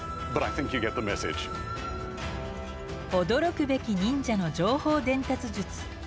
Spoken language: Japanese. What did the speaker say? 驚くべき忍者の情報伝達術。